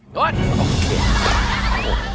ชุด